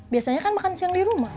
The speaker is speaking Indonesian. biasanya kan makan siang di rumah